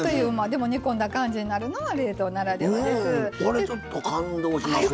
でも煮込んだ感じになるのが冷凍ならではです。